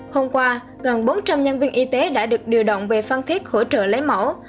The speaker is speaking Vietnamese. hôm qua gần bốn trăm linh nhân viên y tế đã được điều động về phan thiết hỗ trợ lấy mẫu